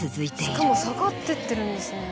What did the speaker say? しかも下がってってるんですね。